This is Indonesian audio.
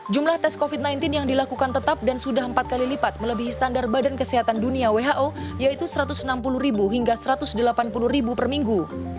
jumlah tes covid sembilan belas yang dilakukan tetap dan sudah empat kali lipat melebihi standar badan kesehatan dunia who yaitu satu ratus enam puluh hingga satu ratus delapan puluh per minggu